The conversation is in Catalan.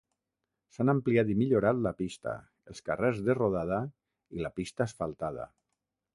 S'han ampliat i millorat la pista, els carrers de rodada i la pista asfaltada.